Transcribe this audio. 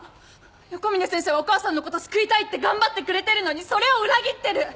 横峯先生はお母さんのこと救いたいって頑張ってくれてるのにそれを裏切ってる！